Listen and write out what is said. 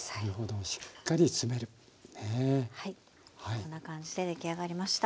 こんな感じで出来上がりました。